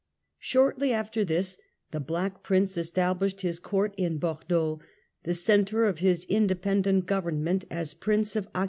Shortly after this the Black Prince established his court in Bordeaux, the centre of his independent govern ment as Prince of Aquitaine.